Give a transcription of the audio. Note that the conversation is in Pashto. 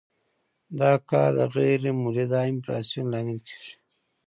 دا کار د غیر مولد انفلاسیون لامل کیږي.